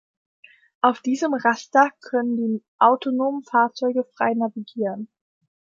Auf diesem Raster können die autonomen Fahrzeuge frei navigieren.